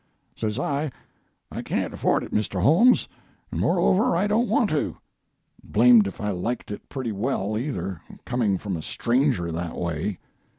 "Says I, 'I can't afford it, Mr. Holmes, and moreover I don't want to.' Blamed if I liked it pretty well, either, coming from a stranger, that way.